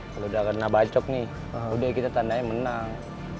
kalau udah kena bacok nih udah kita tandanya menang